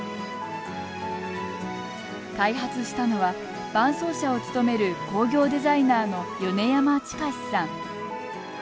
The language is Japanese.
開発したのは伴走者を務める工業デザイナーの米山爾さん。